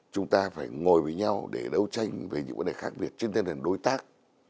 chúng ta phải ngồi với nhau để đấu tranh về những vấn đề khác biệt trên tinh thần đối tác